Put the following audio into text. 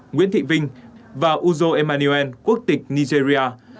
nguyễn thị vinh và uzo emmanuel quốc tịch nigeria